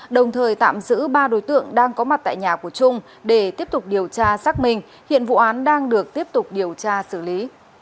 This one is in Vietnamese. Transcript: đồng thời tạm giữ ba đối tượng đang có mặt tại nhà của trung để tiếp tục điều tra xác minh hiện vụ án đang được tiếp tục điều tra xử lý